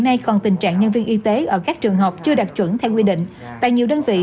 nay còn tình trạng nhân viên y tế ở các trường học chưa đạt chuẩn theo quy định tại nhiều đơn vị